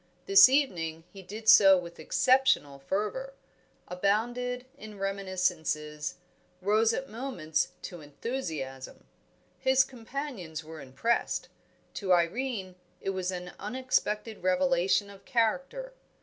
This evening he did so with exceptional fervour, abounded in reminiscences, rose at moments to enthusiasm. His companions were impressed; to Irene it was an unexpected revelation of character.